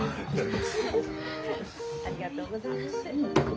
ありがとうございます。